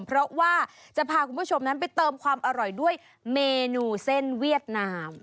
เพราะว่าจะพาคุณผู้ชมนั้นไปเติมความอร่อยด้วยเมนูเส้นเวียดนาม